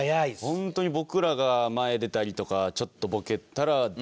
ホントに僕らが前出たりとかちょっとボケたら。